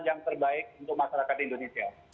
yang terbaik untuk masyarakat indonesia